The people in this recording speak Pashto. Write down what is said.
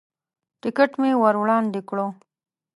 ټکټ مې ور وړاندې کړو.